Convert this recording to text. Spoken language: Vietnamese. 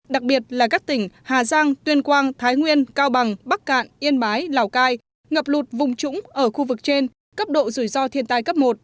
đặc biệt là các tỉnh hà giang tuyên quang thái nguyên cao bằng bắc cạn yên bái lào cai ngập lụt vùng trũng ở khu vực trên cấp độ rủi ro thiên tai cấp một